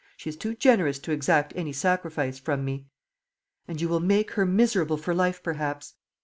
She is too generous to exact any sacrifice from me." "And you will make her miserable for life, perhaps?"